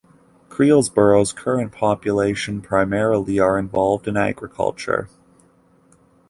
Creelsboro's current population primarily are involved in agriculture.